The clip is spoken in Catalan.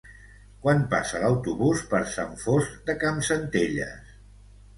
Quan passa l'autobús per Sant Fost de Campsentelles?